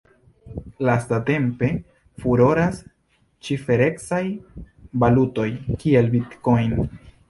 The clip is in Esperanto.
Lastatempe furoras ciferecaj valutoj kiel Bitcoin.